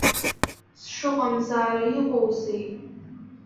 Сшыҟамзаара иҟоузеи?